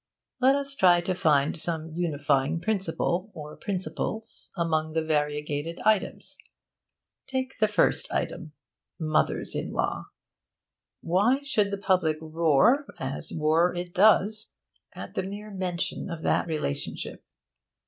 Let us try to find some unifying principle, or principles, among the variegated items. Take the first item Mothers in law. Why should the public roar, as roar it does, at the mere mention of that relationship?